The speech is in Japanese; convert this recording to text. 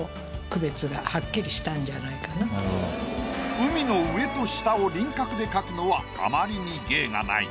海の上と下を輪郭で描くのはあまりに芸が無い。